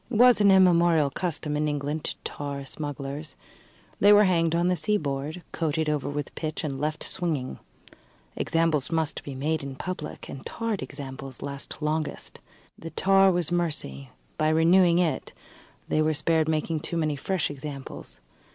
It was an immemorial custom in England to tar smugglers. They were hanged on the seaboard, coated over with pitch and left swinging. Examples must be made in public, and tarred examples last longest. The tar was mercy: by renewing it they were spared making too many fresh examples.